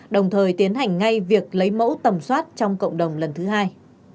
đồng thời tiến hành ngay việc lấy mẫu tầm soát trong cộng đồng lần thứ hai